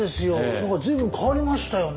何か随分変わりましたよね。